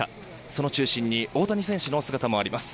その中心に大谷選手の姿もあります。